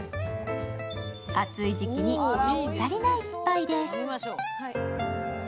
暑い時期にぴったりな一杯です。